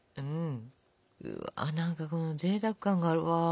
うわ何かぜいたく感があるわ。